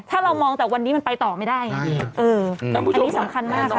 ถ้าเรามองแต่วันนี้มันไปต่อไม่ได้อันนี้สำคัญมากครับ